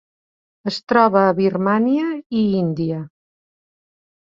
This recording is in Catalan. Es troba a Birmània i Índia.